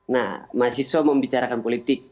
nah masih suwan membicarakan politik